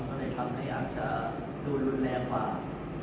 ก็เลยทำให้อาจจะดูรุนแรงกว่า